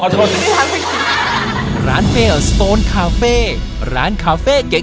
อ๋อโทษร้านไฟเออร์สโตน์คาเฟ่ร้านคาเฟ่เก๋